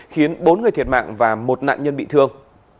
khiến bốn người thiệt mạng và một nạn nhân bị thương